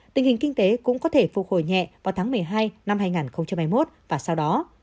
tình hình kinh tế cũng có thể phục hồi nhẹ vào tháng một mươi hai năm hai nghìn hai mươi một và sau đó